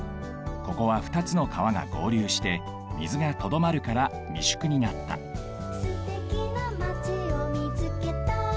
ここはふたつの川がごうりゅうして水がとどまるから三宿になった「すてきなまちをみつけたよ」